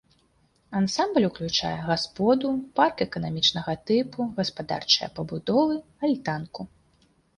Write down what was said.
Ансамбль уключае гасподу, парк эканамічнага тыпу, гаспадарчыя пабудовы, альтанку.